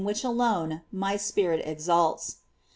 which alone my spirit exults.